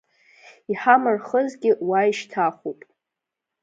Иҳамырхызгьы уа ишьҭахуп…